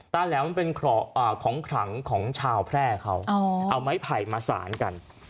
แหลมมันเป็นของขลังของชาวแพร่เขาเอาไม้ไผ่มาสารกัน